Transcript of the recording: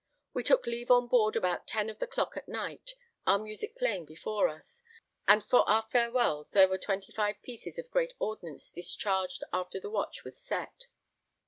We took leave on board about ten of the clock at night, our music playing before us, and for our farewell there were 25 pieces of great ordnance discharged after the watch was set.